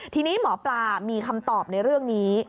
ทีนี้หมอปลามีคำตอบในเรื่องนี้